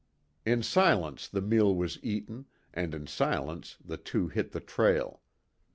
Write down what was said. In silence the meal was eaten, and in silence the two hit the trail.